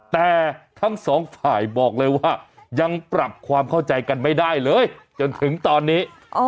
แต่ทั้งสองฝ่ายบอกเลยว่ายังปรับความเข้าใจกันไม่ได้เลยจนถึงตอนนี้